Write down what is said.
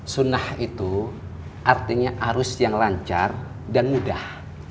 sunnah itu artinya arus yang lancar dan mudah